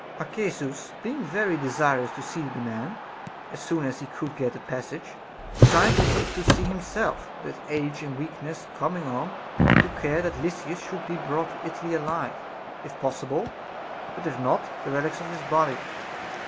Arcesus, being very desirous to see the man, as soon as he could get a passage, designed to put to sea himself; but age and weakness coming on, he took care that Lysis should be brought to Italy alive, if possible ; but if not, the relics of his body.